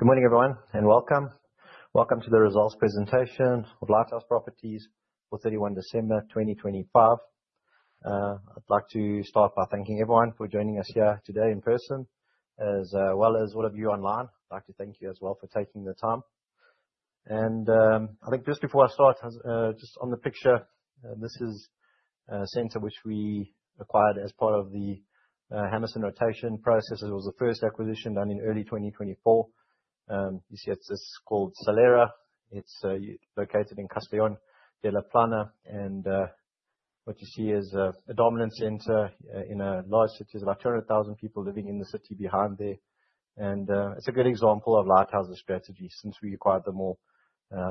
Okay. Good morning, everyone, and welcome. Welcome to the results presentation of Lighthouse Properties for 31 December 2025. I'd like to start by thanking everyone for joining us here today in person, as well as all of you online. I'd like to thank you as well for taking the time. I think just before I start, just on the picture, this is a center which we acquired as part of the Hammerson rotation process. It was the first acquisition done in early 2024. You see it's called Salera. It's located in Castellón de la Plana, and what you see is a dominant center in a large city. There's about 200,000 people living in the city behind there. It's a good example of Lighthouse's strategy. Since we acquired the mall,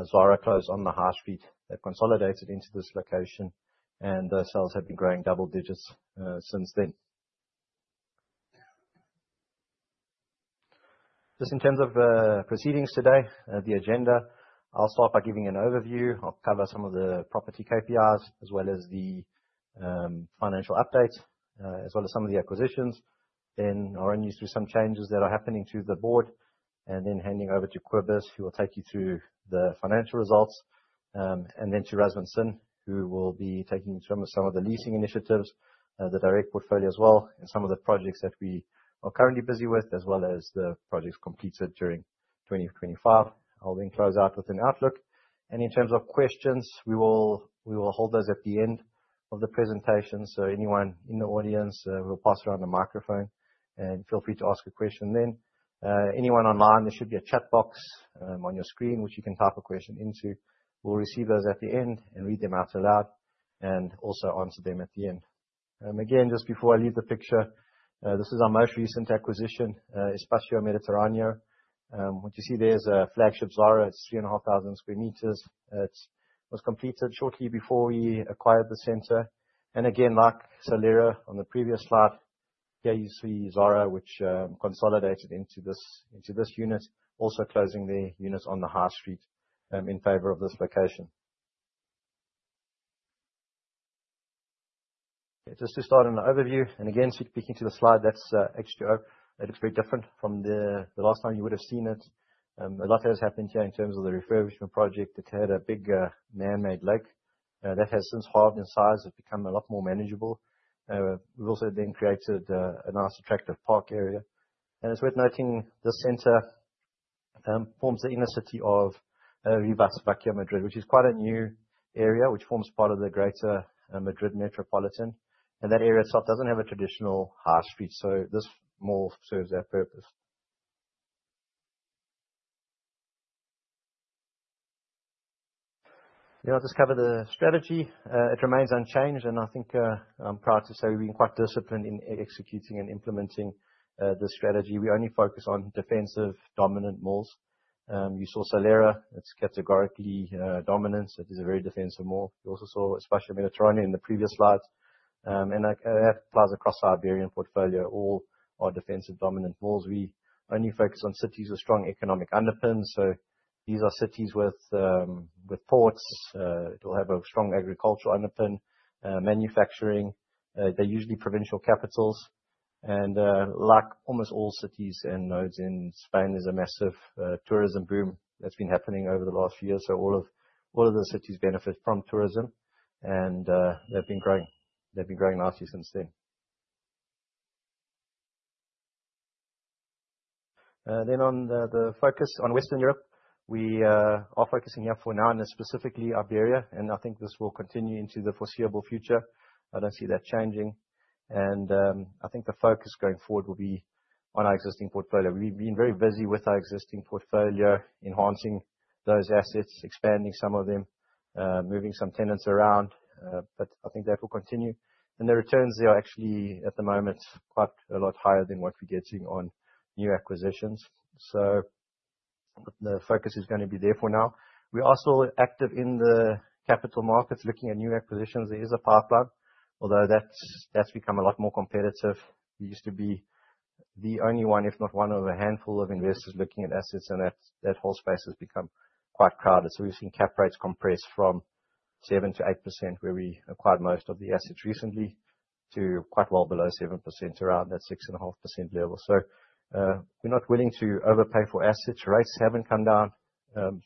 Zara closed on the high street. They consolidated into this location. Their sales have been growing double digits since then. Just in terms of proceedings today, the agenda, I'll start by giving an overview. I'll cover some of the property KPIs as well as the financial updates, as well as some of the acquisitions. I'll run you through some changes that are happening to the board. Handing over to Kobus, who will take you through the financial results. To Razvan Sin, who will be taking in terms of some of the leasing initiatives, the direct portfolio as well, and some of the projects that we are currently busy with, as well as the projects completed during 2025. I'll close out with an outlook. In terms of questions, we will hold those at the end of the presentation. Anyone in the audience, we'll pass around a microphone and feel free to ask a question then. Anyone online, there should be a chat box on your screen, which you can type a question into. We'll receive those at the end and read them out aloud and also answer them at the end. Again, just before I leave the picture, this is our most recent acquisition, Espacio Mediterráneo. What you see there is a flagship Zara. It's 3,500 sq m. It was completed shortly before we acquired the center. Again, like Salera on the previous slide, here you see Zara, which consolidated into this unit. Also closing their units on the high street, in favor of this location. Just to start an overview, speaking to the slide, that's H2O. It looks very different from the last time you would have seen it. A lot has happened here in terms of the refurbishment project. It had a big man-made lake that has since halved in size. It's become a lot more manageable. We've also then created a nice, attractive park area. It's worth noting this center forms the inner city of Rivas-Vaciamadrid, which is quite a new area, which forms part of the greater Madrid Metropolitan. That area itself doesn't have a traditional high street, so this mall serves that purpose. I'll just cover the strategy. It remains unchanged. I think, I'm proud to say we've been quite disciplined in executing and implementing the strategy. We only focus on defensive dominant malls. You saw Salera. It's categorically dominant. It is a very defensive mall. You also saw Espacio Mediterráneo in the previous slides. That applies across our Iberian portfolio. All our defensive dominant malls. We only focus on cities with strong economic underpinnings. These are cities with ports. It will have a strong agricultural underpin, manufacturing. They're usually provincial capitals. Like almost all cities and nodes in Spain, there's a massive tourism boom that's been happening over the last few years. All of the cities benefit from tourism. They've been growing. They've been growing nicely since then. Then on the focus on Western Europe, we are focusing here for now and specifically Iberia, I think this will continue into the foreseeable future. I don't see that changing. I think the focus going forward will be on our existing portfolio. We've been very busy with our existing portfolio, enhancing those assets, expanding some of them, moving some tenants around. I think that will continue. The returns there are actually, at the moment, quite a lot higher than what we're getting on new acquisitions. The focus is gonna be there for now. We are also active in the capital markets, looking at new acquisitions. There is a pipeline, although that's become a lot more competitive. We used to be the only one, if not one of a handful of investors looking at assets. That whole space has become quite crowded. We've seen cap rates compress from 7%-8%, where we acquired most of the assets recently, to quite well below 7%, around that 6.5% level. We're not willing to overpay for assets. Rates haven't come down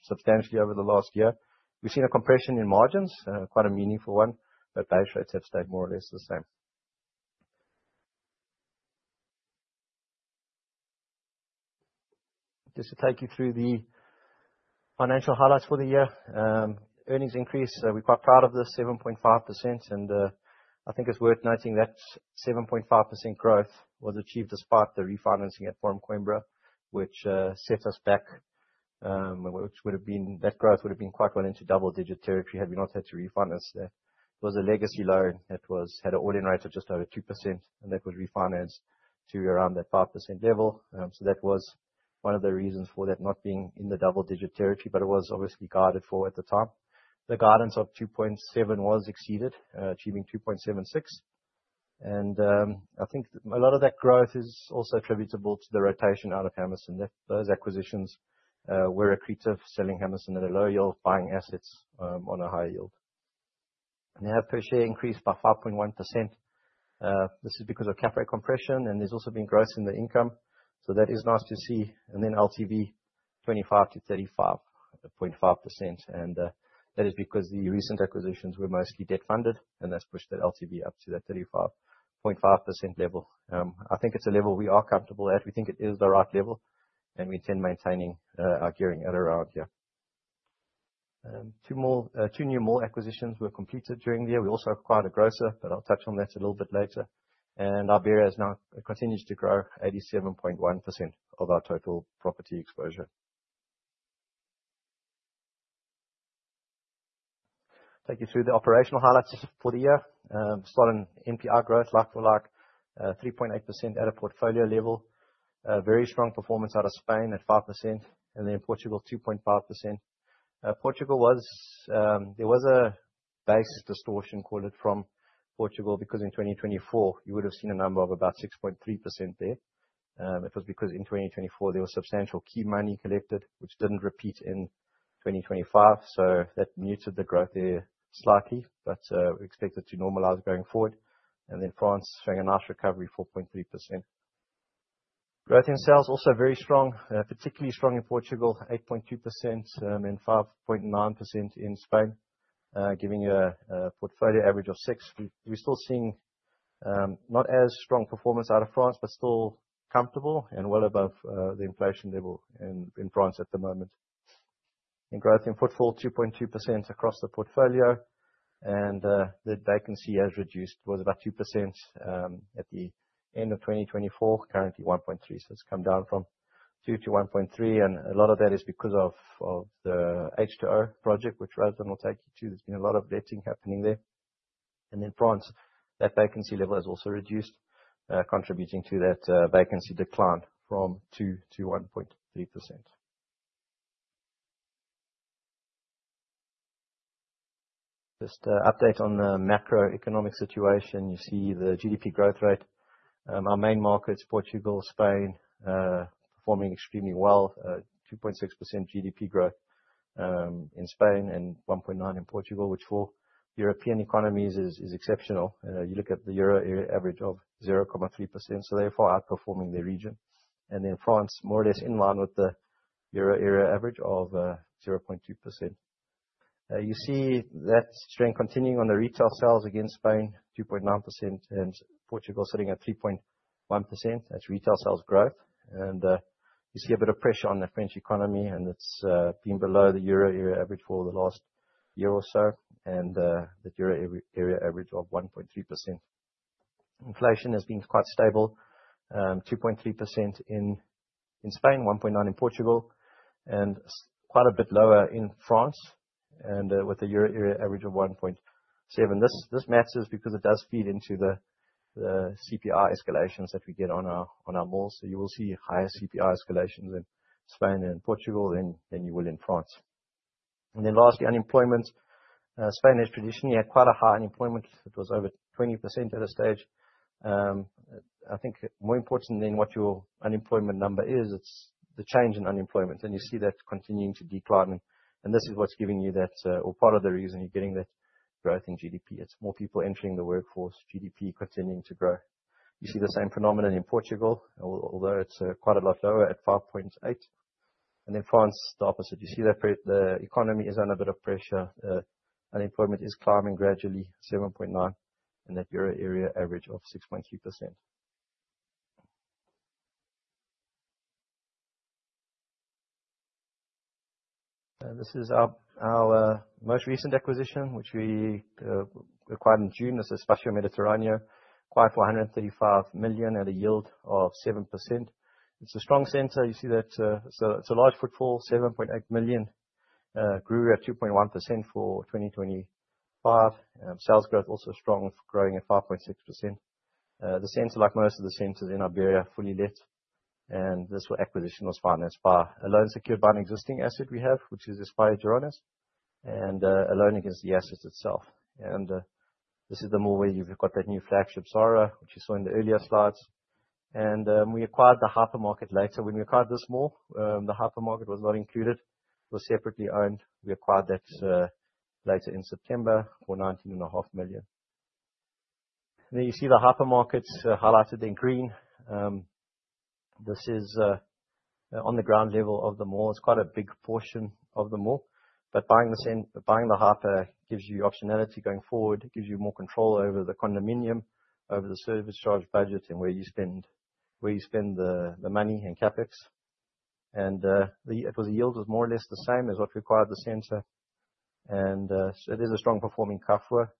substantially over the last year. We've seen a compression in margins, quite a meaningful one. Base rates have stayed more or less the same. Just to take you through the financial highlights for the year. Earnings increase. We're quite proud of this 7.5%. I think it's worth noting that 7.5% growth was achieved despite the refinancing at Forum Coimbra, which set us back. That growth would have been quite well into double-digit territory had we not had to refinance that. It was a legacy loan that had an all-in rate of just over 2%, and that was refinanced to around that 5% level. That was one of the reasons for that not being in the double-digit territory, but it was obviously guided for at the time. The guidance of 2.7% was exceeded, achieving 2.76%. I think a lot of that growth is also attributable to the rotation out of Hammerson. Those acquisitions were accretive, selling Hammerson at a low yield, buying assets on a higher yield. Net per share increased by 5.1%. This is because of cap rate compression, and there's also been growth in the income. That is nice to see. LTV 25%-35.5%. That is because the recent acquisitions were mostly debt-funded, and that's pushed that LTV up to that 35.5% level. I think it's a level we are comfortable at. We think it is the right level, and we intend maintaining our gearing at around here. 2 new mall acquisitions were completed during the year. We also acquired a grocer. I'll touch on that a little bit later. Iberia continues to grow 87.1% of our total property exposure. Take you through the operational highlights for the year. Starting NPI growth like-for-like, 3.8% at a portfolio level. Very strong performance out of Spain at 5% and then Portugal 2.5%. Portugal was there was a base distortion, call it, from Portugal, because in 2024, you would have seen a number of about 6.3% there. It was because in 2024, there was substantial key money collected, which didn't repeat in 2025, so that muted the growth there slightly. We expect it to normalize going forward. Then France showing a nice recovery, 4.3%. Growth in sales also very strong, particularly strong in Portugal, 8.2%, and 5.9% in Spain, giving you a portfolio average of 6%. We're still seeing not as strong performance out of France, but still comfortable and well above the inflation level in France at the moment. Growth in footfall 2.2% across the portfolio. The vacancy has reduced. It was about 2% at the end of 2024. Currently 1.3%. It's come down from 2%-1.3%. A lot of that is because of the H2O project, which Razvan will take you to. There's been a lot of letting happening there. In France, that vacancy level has also reduced, contributing to that vacancy decline from 2%-1.3%. Just a update on the macroeconomic situation. You see the GDP growth rate. Our main markets, Portugal, Spain, performing extremely well. 2.6% GDP growth in Spain and 1.9% in Portugal, which for European economies is exceptional. You know, you look at the Euro area average of 0.3%, so therefore outperforming the region. France more or less in line with the Euro area average of 0.2%. You see that trend continuing on the retail sales. Again, Spain 2.9% and Portugal sitting at 3.1%. That's retail sales growth. You see a bit of pressure on the French economy, and it's been below the Euro area average for the last year or so. The Euro area average of 1.3%. Inflation has been quite stable, 2.3% in Spain, 1.9% in Portugal, and quite a bit lower in France with the Euro area average of 1.7%. This matters because it does feed into the CPI escalations that we get on our malls. You will see higher CPI escalations in Spain and Portugal than you will in France. Lastly, unemployment. Spain has traditionally had quite a high unemployment. It was over 20% at a stage. I think more important than what your unemployment number is, it's the change in unemployment. You see that continuing to decline. This is what's giving you that, or part of the reason you're getting that growth in GDP. It's more people entering the workforce, GDP continuing to grow. You see the same phenomenon in Portugal, although it's quite a lot lower at 5.8%. France, the opposite. You see that the economy is under a bit of pressure. Unemployment is climbing gradually 7.9% and that Euro area average of 6.2%. This is our most recent acquisition, which we acquired in June. This is Espacio Mediterráneo, acquired for 135 million at a yield of 7%. It's a strong center. You see that, so it's a large footfall, 7.8 million. Grew at 2.1% for 2025. Sales growth also strong, growing at 5.6%. The center, like most of the centers in Iberia, fully let. This acquisition was financed by a loan secured by an existing asset we have, which is Espai Gironès and a loan against the assets itself. This is the mall where you've got that new flagship Zara, which you saw in the earlier slides. We acquired the hypermarket later. When we acquired this mall, the hypermarket was not included. It was separately owned. We acquired that later in September for 19.5 million. Then you see the hypermarket's highlighted in green. This is on the ground level of the mall. It's quite a big portion of the mall. Buying the buying the hyper gives you optionality going forward. It gives you more control over the condominium, over the service charge budget and where you spend the money and CapEx. The yield was more or less the same as what we acquired the center. It is a strong performing Carrefour.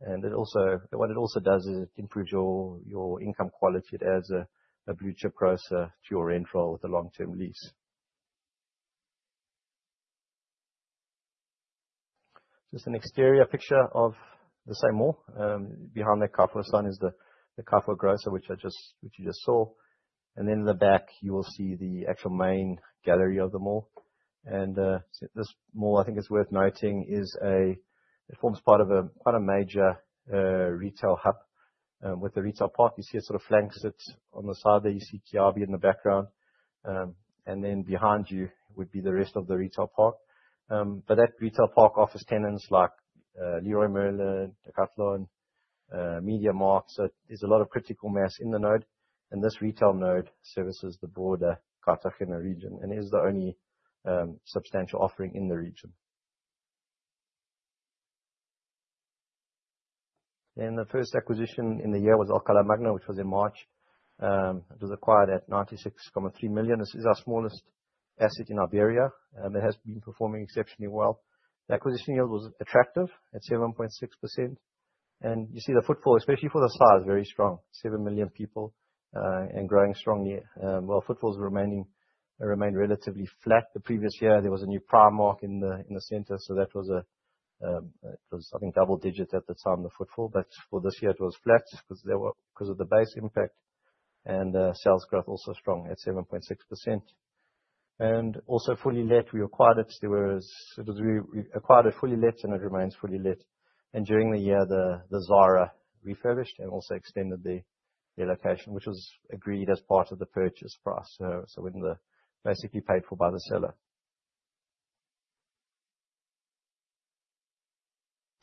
What it also does is it improves your income quality. It adds a blue-chip grocer to your rental with a long-term lease. Just an exterior picture of the same mall. Behind that Carrefour sign is the Carrefour grocer, which you just saw. In the back, you will see the actual main gallery of the mall. So this mall, I think it's worth noting, forms part of a quite a major retail hub. With the retail park, you see it sort of flanks it. On the side there, you see Kiabi in the background. Behind you would be the rest of the retail park. That retail park offers tenants like Leroy Merlin, Decathlon, MediaMarkt. There's a lot of critical mass in the node. This retail node services the broader Cartagena region and is the only substantial offering in the region. The first acquisition in the year was Alcalá Magna, which was in March. It was acquired at 96.3 million. This is our smallest asset in Iberia, and it has been performing exceptionally well. The acquisition yield was attractive at 7.6%. You see the footfall, especially for the size, very strong, 7 million people, and growing strongly. While footfall remained relatively flat the previous year, there was a new Primark in the center, so that was, I think, double-digits at the time, the footfall. For this year it was flat because of the base impact and sales growth also strong at 7.6%. Also fully let. We acquired it fully let and it remains fully let. During the year, the Zara refurbished and also extended their location, which was agreed as part of the purchase price. Basically paid for by the seller.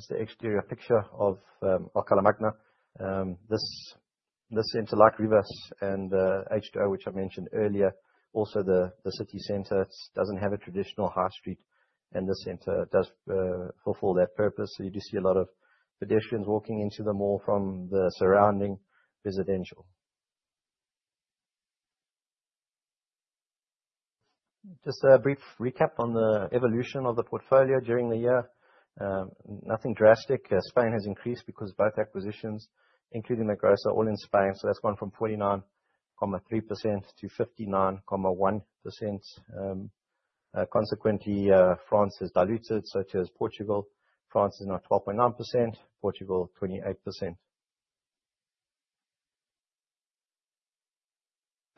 Just an exterior picture of Alcalá Magna. This center, like Rivas and H2O, which I mentioned earlier, also the city center, it doesn't have a traditional high street and the center does fulfill that purpose. You do see a lot of pedestrians walking into the mall from the surrounding residential. Just a brief recap on the evolution of the portfolio during the year. Nothing drastic. Spain has increased because both acquisitions, including the gross, are all in Spain. That's gone from 49.3%-59.1%. Consequently, France has diluted, such as Portugal. France is now 12.9%, Portugal, 28%.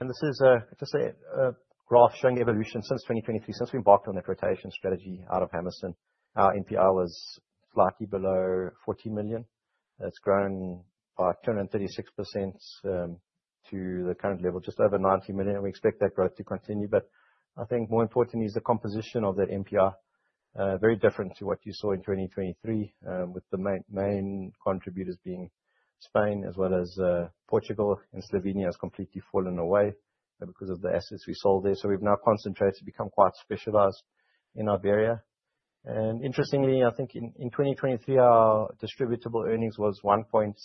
This is just a graph showing evolution since 2023. Since we embarked on that rotation strategy out of Hammerson, our NPI was slightly below 40 million. It's grown by 236%, to the current level, just over 90 million. We expect that growth to continue. I think more importantly is the composition of that NPI, very different to what you saw in 2023, with the main contributors being Spain as well as Portugal. Slovenia has completely fallen away because of the assets we sold there. We've now concentrated to become quite specialized in Iberia. Interestingly, I think in 2023, our distributable earnings was 1.76,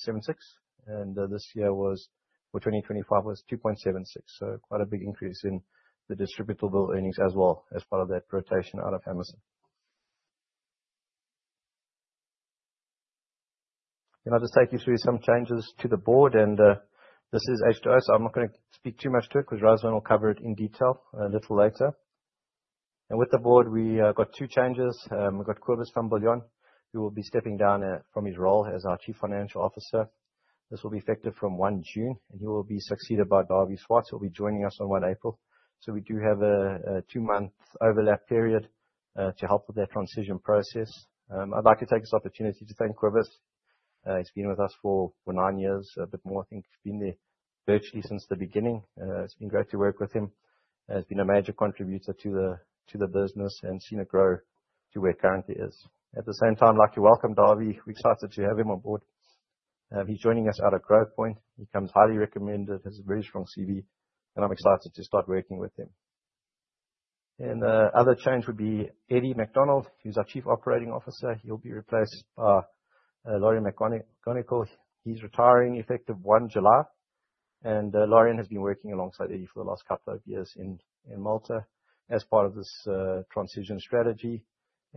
and this year was, for 2025, was 2.76. Quite a big increase in the distributable earnings as well as part of that rotation out of Hammerson. I'll just take you through some changes to the board, this is H2O, so I'm not gonna speak too much to it because Razvan will cover it in detail a little later. With the board, we got two changes. We've got Kobus van Biljon, who will be stepping down from his role as our Chief Financial Officer. This will be effective from 1 June, and he will be succeeded by Dawie Swarts, who'll be joining us on 1 April. We do have a two-month overlap period to help with that transition process. I'd like to take this opportunity to thank Kobus. He's been with us for nine years, a bit more. I think he's been there virtually since the beginning. It's been great to work with him. He has been a major contributor to the, to the business and seen it grow to where it currently is. At the same time, like to welcome Dawie Swarts. We're excited to have him on board. He's joining us out of Growthpoint. He comes highly recommended, has a very strong CV, and I'm excited to start working with him. Other change would be Eddie McDonald, who's our Chief Operating Officer. He'll be replaced by Laurian Mc Gonigal. He's retiring effective 1 July. La urian has been working alongside Edward for the last couple of years in Malta as part of this transition strategy.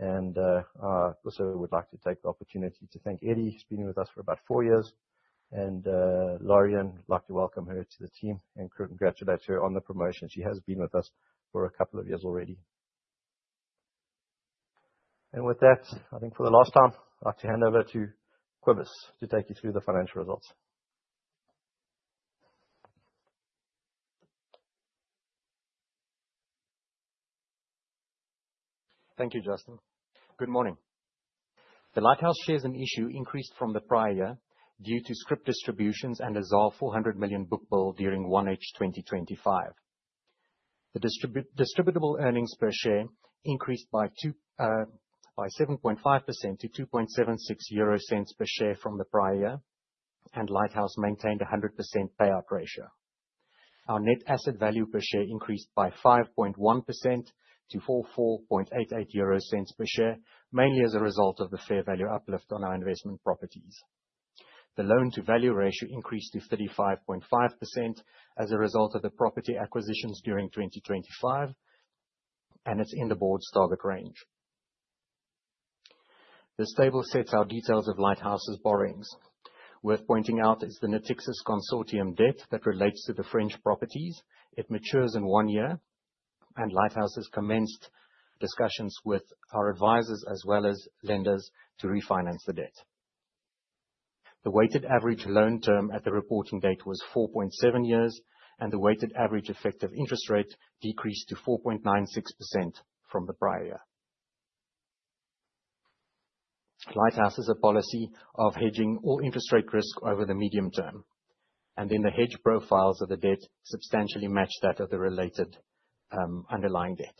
I also would like to take the opportunity to thank Eddie. He's been with us for about four years. Laurian, would like to welcome her to the team and congratulate her on the promotion. She has been with us for a couple of years already. With that, I think for the last time, I'd like to hand over to Kobus to take you through the financial results. Thank you, Justin. Good morning. The Lighthouse shares in issue increased from the prior year due to scrip distributions and a ZAR 400 million book build during 1H 2025. The distributable earnings per share increased by 7.5% to 0.0276 per share from the prior year. Lighthouse maintained a 100% payout ratio. Our net asset value per share increased by 5.1% to 0.4488 per share, mainly as a result of the fair value uplift on our investment properties. The loan-to-value ratio increased to 35.5% as a result of the property acquisitions during 2025. It is in the board's target range. This table sets out details of Lighthouse's borrowings. Worth pointing out is the Natixis consortium debt that relates to the French properties. It matures in one year. Lighthouse has commenced discussions with our advisors as well as lenders to refinance the debt. The weighted average loan term at the reporting date was 4.7 years, and the weighted average effective interest rate decreased to 4.96% from the prior year. Lighthouse has a policy of hedging all interest rate risk over the medium term. The hedge profiles of the debt substantially match that of the related underlying debt.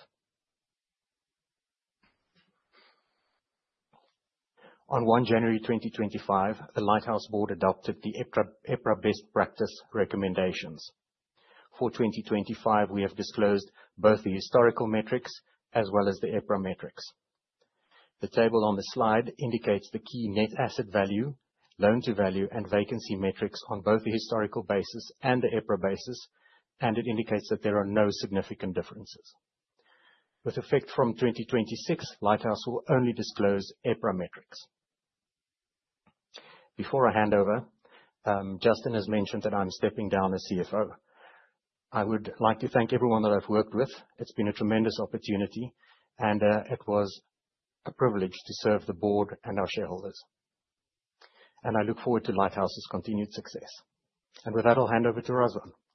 On 1 January 2025, the Lighthouse board adopted the EPRA best practice recommendations. For 2025, we have disclosed both the historical metrics as well as the EPRA metrics. The table on the slide indicates the key net asset value, loan-to-value, and vacancy metrics on both the historical basis and the EPRA basis, and it indicates that there are no significant differences. With effect from 2026, Lighthouse will only disclose EPRA metrics. Before I hand over, Justin has mentioned that I'm stepping down as CFO. I would like to thank everyone that I've worked with. It's been a tremendous opportunity and it was a privilege to serve the board and our shareholders. I look forward to Lighthouse's continued success. With that, I'll hand over to Razvan. Thank you, Kobus.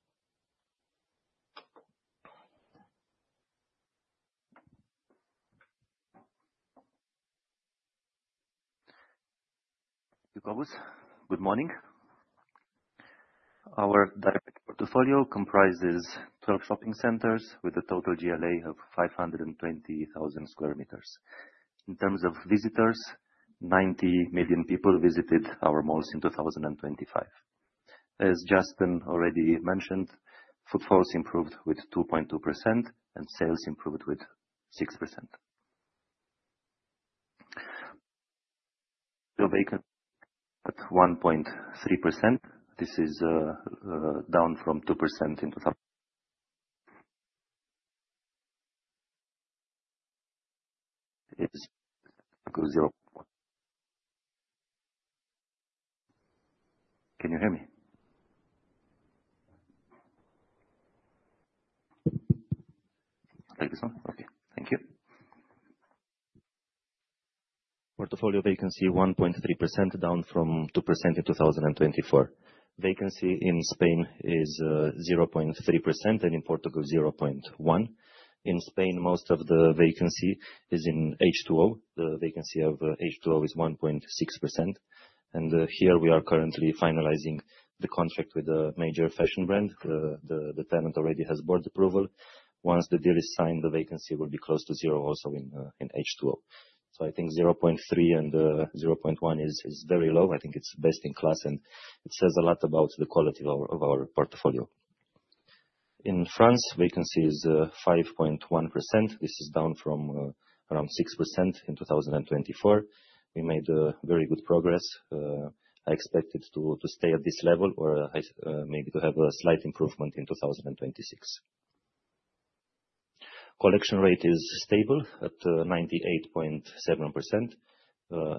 Good morning. Our direct portfolio comprises 12 shopping centers with a total GLA of 520,000 sq m. In terms of visitors, 90 million people visited our malls in 2025. As Justin already mentioned, footfalls improved with 2.2% and sales improved with 6%. Vacancy at 1.3%. This is down from 2% in. Can you hear me? I think so. Okay. Thank you. Portfolio vacancy 1.3%, down from 2% in 2024. Vacancy in Spain is 0.3%, and in Portugal 0.1%. In Spain, most of the vacancy is in H2O. The vacancy of H2O is 1.6%. Here we are currently finalizing the contract with a major fashion brand. The tenant already has board approval. Once the deal is signed, the vacancy will be close to zero also in H2O. I think 0.3% and 0.1% is very low. I think it's best in class, and it says a lot about the quality of our portfolio. In France, vacancy is 5.1%. This is down from around 6% in 2024. We made very good progress. I expect it to stay at this level or maybe to have a slight improvement in 2026. Collection rate is stable at 98.7%.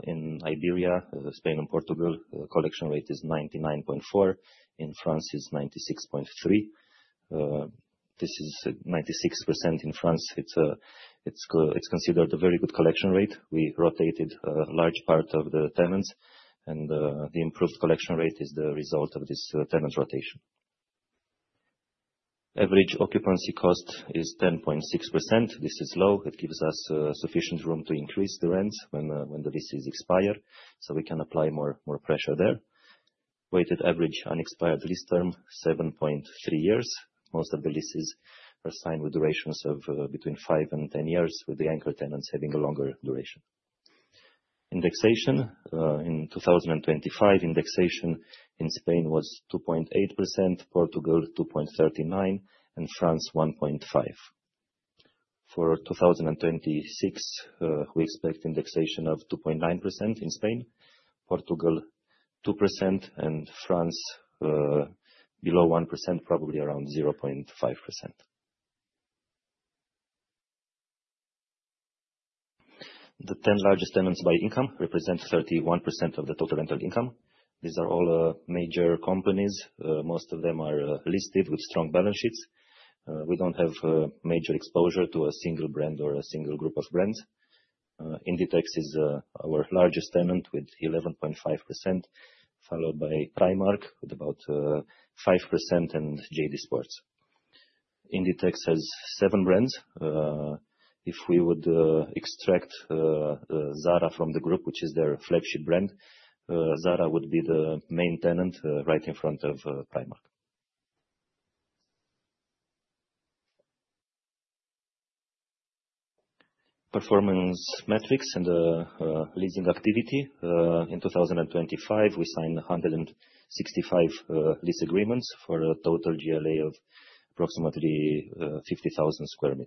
In Iberia, Spain and Portugal, collection rate is 99.4%. In France, it's 96.3%. This is 96% in France. It's considered a very good collection rate. We rotated a large part of the tenants, the improved collection rate is the result of this tenant rotation. Average occupancy cost is 10.6%. This is low. It gives us sufficient room to increase the rents when the leases expire, we can apply more pressure there. Weighted average unexpired lease term, 7.3 years. Most of the leases are signed with durations of between five and 10 years, with the anchor tenants having a longer duration. Indexation. In 2025, indexation in Spain was 2.8%, Portugal 2.39%, France 1.5%. For 2026, we expect indexation of 2.9% in Spain, Portugal 2%, and France below 1%, probably around 0.5%. The 10 largest tenants by income represent 31% of the total rental income. These are all major companies. Most of them are listed with strong balance sheets. We don't have major exposure to a single brand or a single group of brands. Inditex is our largest tenant with 11.5%, followed by Primark with about 5%, and JD Sports. Inditex has seven brands. If we would extract Zara from the group, which is their flagship brand, Zara would be the main tenant right in front of Primark. Performance metrics, leasing activity. In 2025, we signed 165 lease agreements for a total GLA of approximately 50,000 sq m.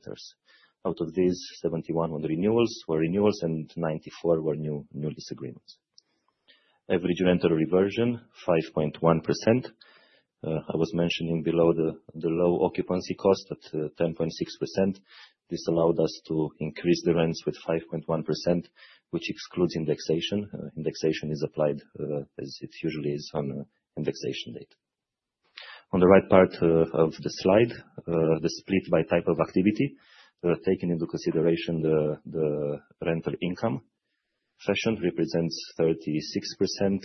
Out of these, 71 were renewals, and 94 were new lease agreements. Average rental reversion, 5.1%. I was mentioning below the low occupancy cost at 10.6%. This allowed us to increase the rents with 5.1%, which excludes indexation. Indexation is applied as it usually is on indexation date. On the right part of the slide, the split by type of activity, taking into consideration the rental income. Fashion represents 36%,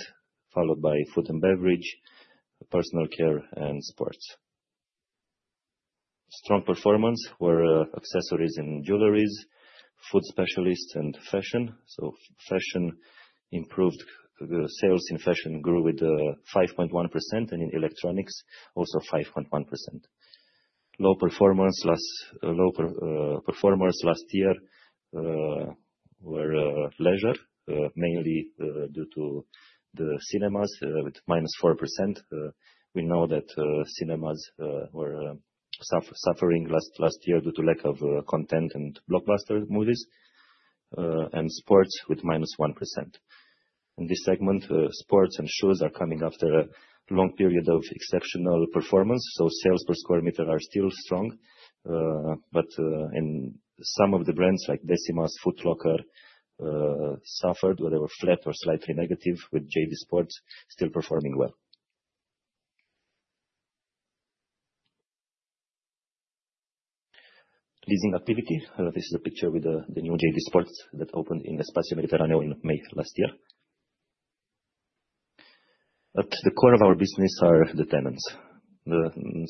followed by food and beverage, personal care, and sports. Strong performance were accessories and jewelry, food specialists and fashion. Fashion improved. The sales in fashion grew with 5.1%, and in electronics also 5.1%. Low performers last year were leisure, mainly due to the cinemas, with -4%. We know that cinemas were suffering last year due to lack of content and blockbuster movies. Sports with -1%. In this segment, sports and shoes are coming after a long period of exceptional performance. Sales per square meter are still strong. In some of the brands like Décimas, Foot Locker, suffered where they were flat or slightly negative with JD Sports still performing well. Leasing activity. This is a picture with the new JD Sports that opened in Espacio Mediterráneo in May last year. At the core of our business are the tenants.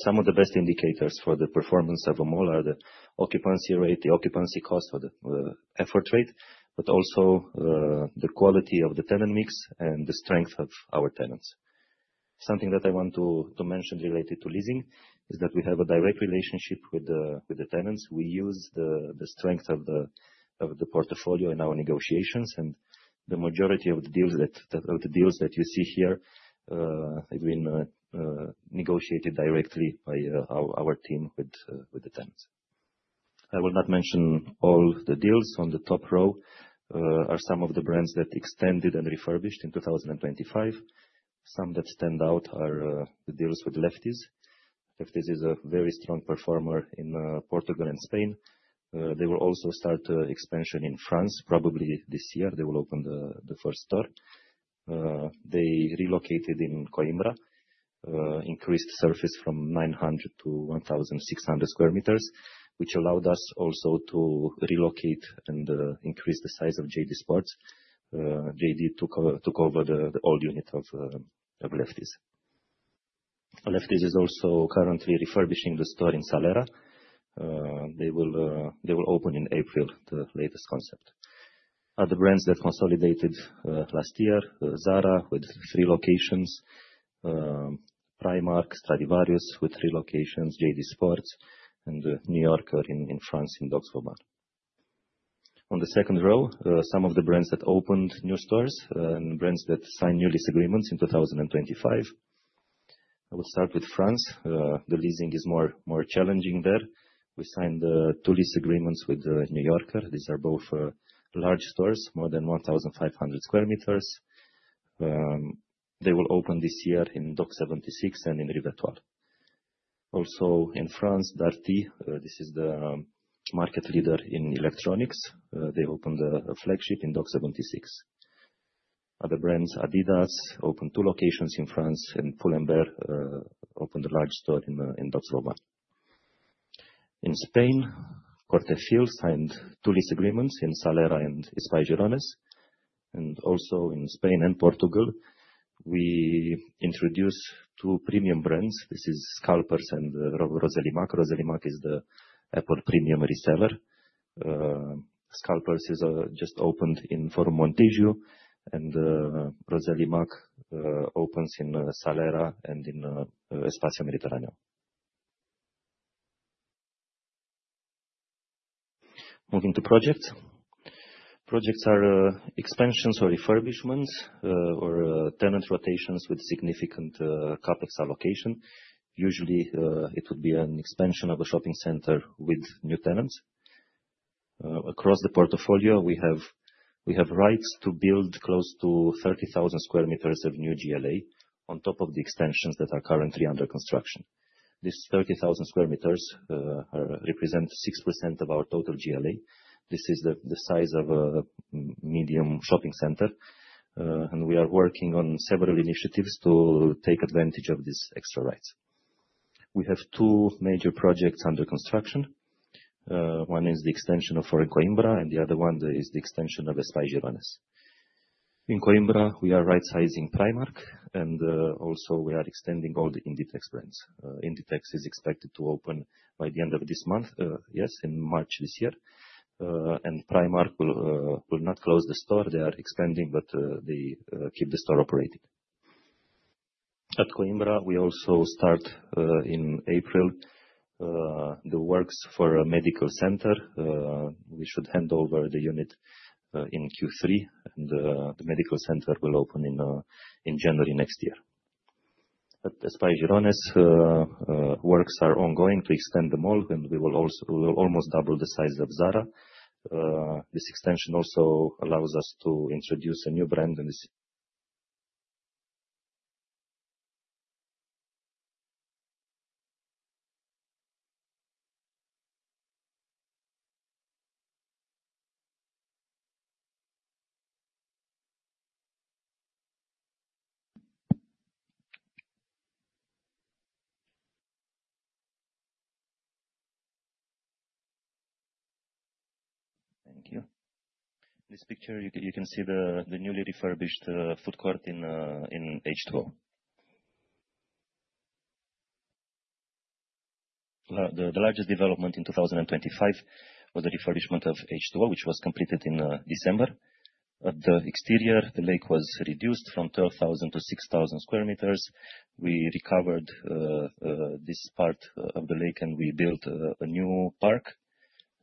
Some of the best indicators for the performance of a mall are the occupancy rate, the occupancy cost or the effort rate, also the quality of the tenant mix and the strength of our tenants. Something that I want to mention related to leasing is that we have a direct relationship with the tenants. We use the strength of the portfolio in our negotiations, the majority of the deals that you see here have been negotiated directly by our team with the tenants. I will not mention all the deals. On the top row are some of the brands that extended and refurbished in 2025. Some that stand out are the deals with Lefties. Lefties is a very strong performer in Portugal and Spain. They will also start expansion in France. Probably this year, they will open the first store. They relocated in Coimbra, increased surface from 900 sq m to 1,600 sq m, which allowed us also to relocate and increase the size of JD Sports. JD took over the old unit of Lefties. Lefties is also currently refurbishing the store in Salera. They will open in April, the latest concept. Other brands that consolidated last year, Zara with three locations, Primark, Stradivarius with three locations, JD Sports and New Yorker in France in Docks Vauban. On the second row, some of the brands that opened new stores and brands that signed new lease agreements in 2025. I will start with France. The leasing is more challenging there. We signed two lease agreements with New Yorker. These are both large stores, more than 1,500 sq m. They will open this year in Docks 76 and in Rivétoile. Also, in France, Darty, this is the market leader in electronics. They opened a flagship in Docks 76. Other brands, Adidas opened two locations in France, and Pull&Bear opened a large store in Docks Vauban. In Spain, El Corte Inglés signed two lease agreements in Salera and Espai Gironès. Also in Spain and Portugal, we introduced two premium brands. This is Scalpers and Rossellimac. Rossellimac is the Apple Premium Reseller. Scalpers is just opened in Forum Montijo, and Rossellimac opens in Salera and in Espacio Mediterráneo. Moving to projects. Projects are expansions or refurbishments, or tenant rotations with significant CapEx allocation. Usually, it would be an expansion of a shopping center with new tenants. Across the portfolio, we have rights to build close to 30,000 sq m of new GLA on top of the extensions that are currently under construction. This 30,000 sq m represent 6% of our total GLA. This is the size of a medium shopping center. We are working on several initiatives to take advantage of these extra rights. We have two major projects under construction. One is the extension of Forum Coimbra, and the other one is the extension of Espai Gironès. In Coimbra, we are rightsizing Primark, also we are extending all the Inditex brands. Inditex is expected to open by the end of this month, in March this year. Primark will not close the store. They are expanding, but they keep the store operating. At Coimbra, we also start in April the works for a medical center. We should hand over the unit in Q3, the medical center will open in January next year. At Espai Gironès, works are ongoing to extend the mall, we will almost double the size of Zara. This extension also allows us to introduce a new brand. This picture, you can see the newly refurbished food court in H2O. The largest development in 2025 was the refurbishment of H2O, which was completed in December. At the exterior, the lake was reduced from 12,000 to 6,000 sq m. We recovered this part of the lake, we built a new park.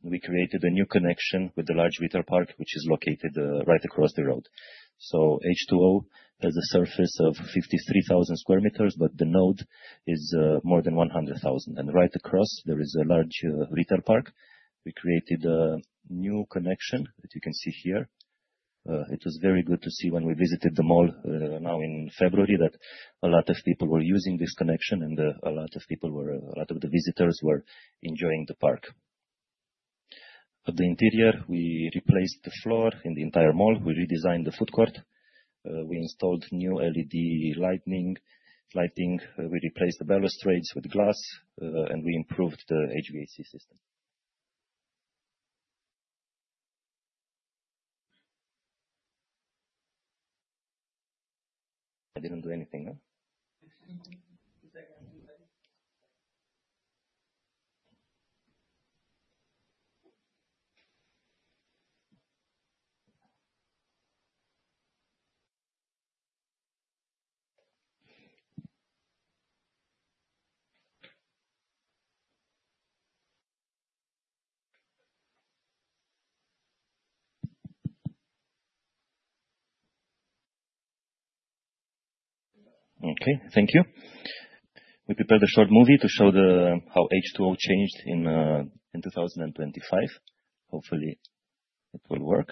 We created a new connection with the large retail park, which is located right across the road. H2O has a surface of 53,000 sq m, but the node is more than 100,000. Right across, there is a large retail park. We created a new connection that you can see here. It was very good to see when we visited the mall, now in February, that a lot of people were using this connection and a lot of the visitors were enjoying the park. At the interior, we replaced the floor in the entire mall. We redesigned the food court. We installed new LED lighting. We replaced the balustrades with glass and we improved the HVAC system. I didn't do anything, no? Is there anybody? Okay, thank you. We prepared a short movie to show the, how H2O changed in 2025. Hopefully, it will work.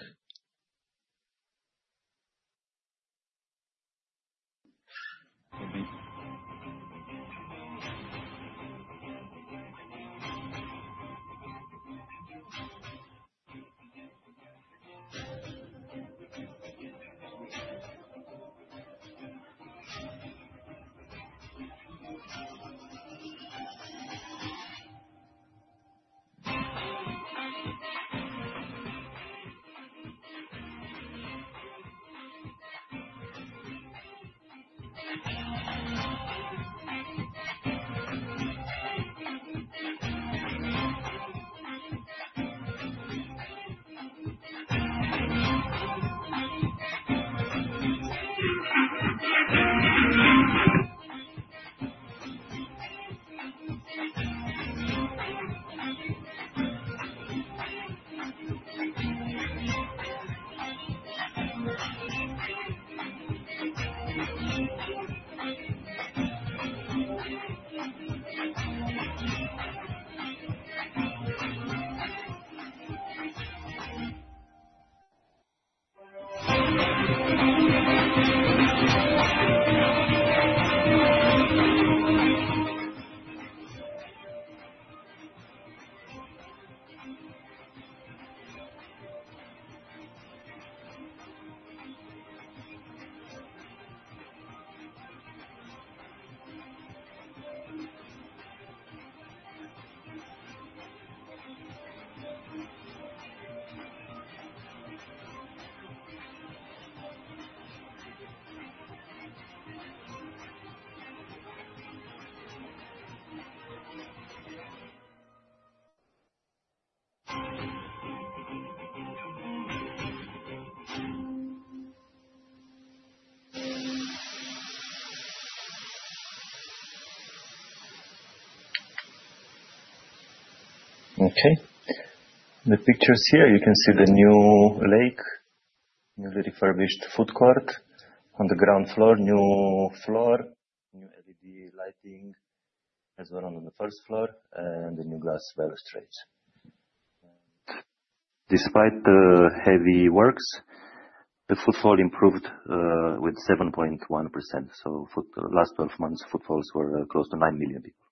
Okay. In the pictures here, you can see the new lake, newly refurbished food court. On the ground floor, new floor, new LED lighting, as well on the first floor and the new glass balustrades. Despite the heavy works, the footfall improved with 7.1%. Last 12 months, footfalls were close to 9 million people.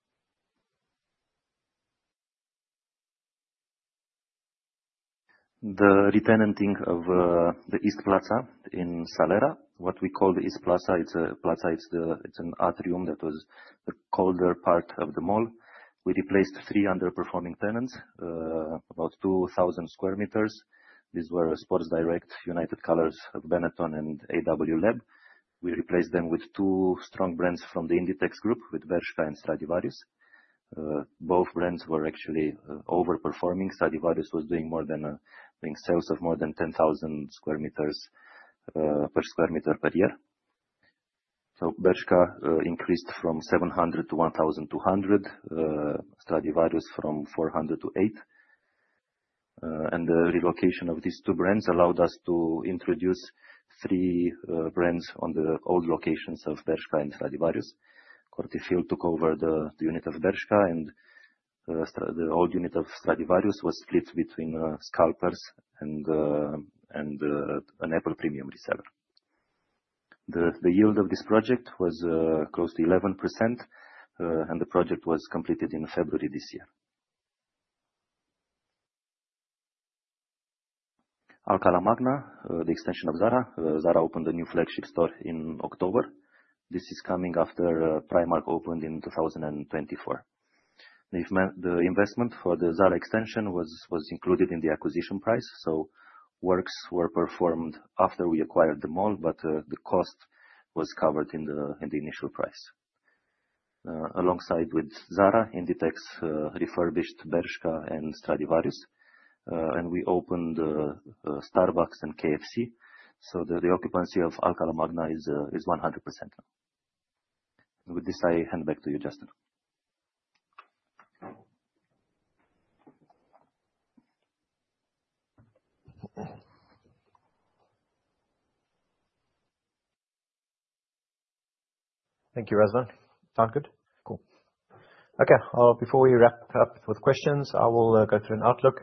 The retenanting of the East Plaza in Salera. What we call the East Plaza, it's a plaza, it's an atrium that was the colder part of the mall. We replaced three underperforming tenants, about 2,000 sq m. These were Sports Direct, United Colors of Benetton, and AW LAB. We replaced them with 2 strong brands from the Inditex group with Bershka and Stradivarius. Both brands were actually overperforming. Stradivarius was doing sales of more than 10,000 sq m per square meter per year. Bershka increased from 700 sq m-1,200sq m, Stradivarius from 400 sq m-800 sq m. And the relocation of these two brands allowed us to introduce three brands on the old locations of Bershka and Stradivarius. Cortefiel took over the unit of Bershka and the old unit of Stradivarius was split between Scalpers and an Apple premium reseller. The yield of this project was close to 11%, and the project was completed in February this year. Alcalá Magna, the extension of Zara. Zara opened a new flagship store in October. This is coming after Primark opened in 2024. The investment for the Zara extension was included in the acquisition price. Works were performed after we acquired the mall, but the cost was covered in the initial price. Alongside with Zara, Inditex refurbished Bershka and Stradivarius. We opened Starbucks and KFC. The reoccupancy of Alcalá Magna is 100% now. With this, I hand back to you, Justin. Thank you, Razvan. Sound good? Cool. Okay. Before we wrap up with questions, I will go through an outlook,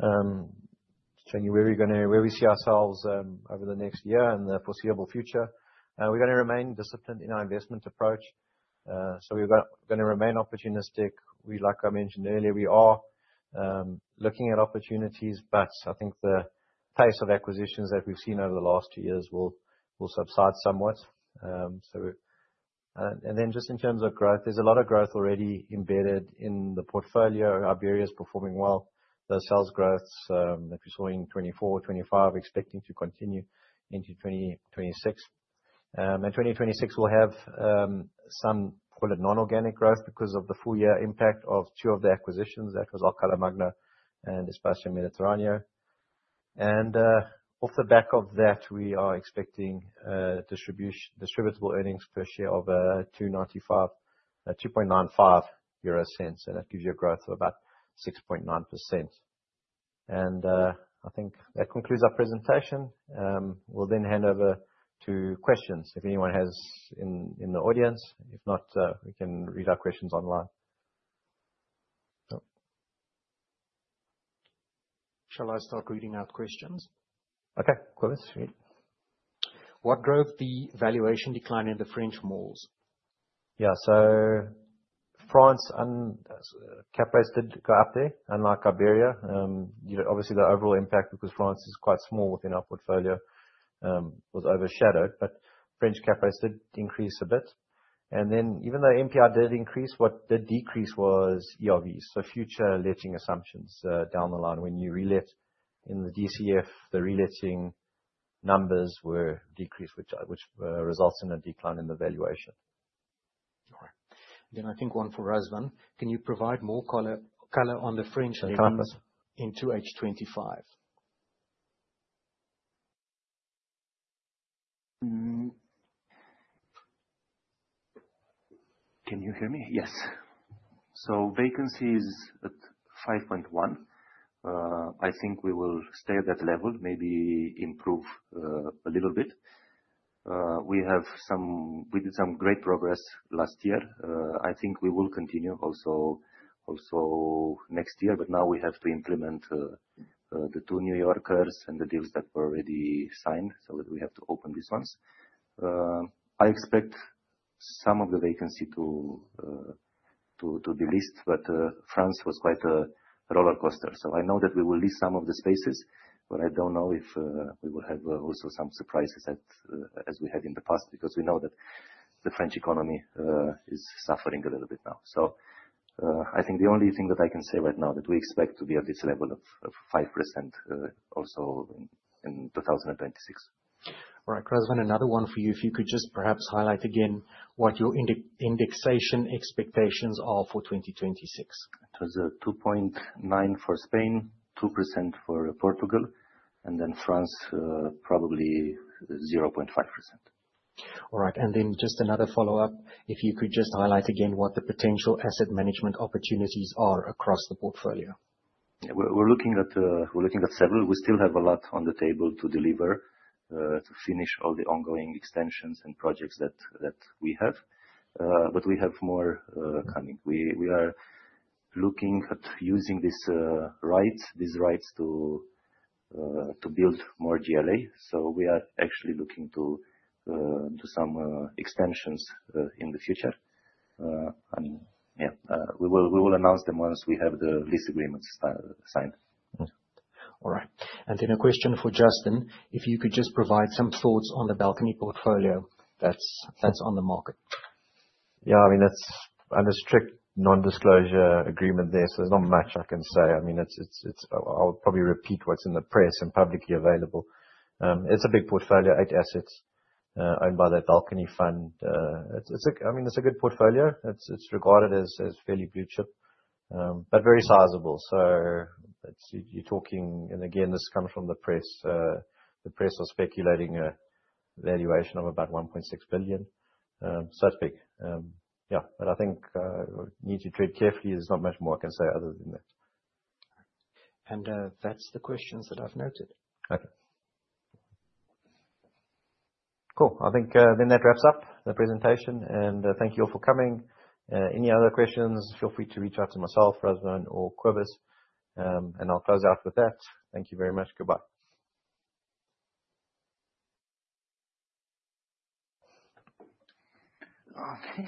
showing you where we see ourselves over the next year and the foreseeable future. We're gonna remain disciplined in our investment approach. We're gonna remain opportunistic. We, like I mentioned earlier, we are looking at opportunities, but I think the pace of acquisitions that we've seen over the last two years will subside somewhat. Just in terms of growth, there's a lot of growth already embedded in the portfolio. Iberia is performing well. The sales growths that we saw in 2024, 2025, expecting to continue into 2026. In 2026, we'll have some call it non-organic growth because of the full year impact of two of the acquisitions, that was Alcalá Magna and Espacio Mediterráneo. Off the back of that, we are expecting distributable earnings per share of 0.0295, and that gives you a growth of about 6.9%. I think that concludes our presentation. We'll then hand over to questions if anyone has in the audience. If not, we can read our questions online. Shall I start reading out questions? Okay. Kobus, read. What drove the valuation decline in the French malls? France and cap rates did go up there unlike Iberia. You know, obviously the overall impact, because France is quite small within our portfolio, was overshadowed, but French cap rates did increase a bit. Even though NPI did increase, what did decrease was ERV. Future letting assumptions down the line. When you relet in the DCF, the reletting numbers were decreased, which results in a decline in the valuation. All right. I think one for Razvan. Can you provide more color on the French- Vacancies? In 2H 2025? Can you hear me? Yes. Vacancy is at 5.1%. I think we will stay at that level, maybe improve a little bit. We did some great progress last year. I think we will continue also next year. Now we have to implement the two New Yorkers and the deals that were already signed so that we have to open these ones. I expect some of the vacancy to be leased. France was quite a rollercoaster. I know that we will lease some of the spaces, but I don't know if we will have also some surprises as we had in the past, because we know that the French economy is suffering a little bit now. I think the only thing that I can say right now, that we expect to be at this level of 5%, also in 2026. All right. Razvan, another one for you. If you could just perhaps highlight again what your indexation expectations are for 2026. It was 2.9% for Spain, 2% for Portugal, and then France, probably 0.5%. All right. Then just another follow-up. If you could just highlight again what the potential asset management opportunities are across the portfolio. We're looking at several. We still have a lot on the table to deliver, to finish all the ongoing extensions and projects that we have. We have more coming. We are looking at using these rights to build more GLA. We are actually looking to do some extensions in the future. We will announce them once we have the lease agreements signed. All right. A question for Justin. If you could just provide some thoughts on the Balcony portfolio that's on the market. Yeah. I mean, that's under strict non-disclosure agreement there, so there's not much I can say. I mean, I'll probably repeat what's in the press and publicly available. It's a big portfolio, eight assets, owned by the Balcony Fund. I mean, it's a good portfolio. It's regarded as fairly blue chip, but very sizable. You're talking, again, this comes from the press. The press was speculating a valuation of about 1.6 billion, so it's big. Yeah. I think need to tread carefully. There's not much more I can say other than that. That's the questions that I've noted. Okay. Cool. I think, that wraps up the presentation, and thank you all for coming. Any other questions, feel free to reach out to myself, Razvan, or Kobus. I'll close out with that. Thank you very much. Goodbye.